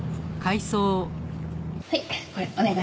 はいこれお願いね。